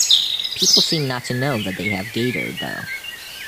People seem not to know that they have gaydar, though.